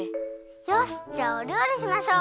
よしじゃあおりょうりしましょう！